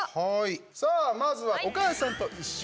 さあ、まずは「おかあさんといっしょ」